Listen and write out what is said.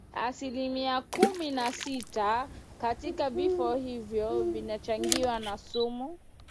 Asilimia kumi na sita katika vifo hivyo vinachangiwa na sumu